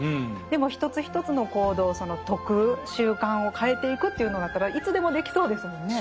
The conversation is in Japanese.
でも一つ一つの行動その徳習慣を変えていくというのだったらいつでもできそうですもんね。